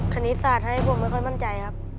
คณิตศาสตร์ให้ผมไม่ค่อยมั่นใจครับ